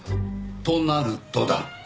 となるとだ